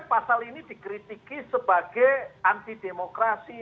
pasal ini dikritiki sebagai anti demokrasi